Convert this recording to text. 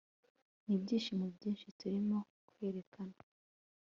Nibyishimo byinshi turimo kwerekana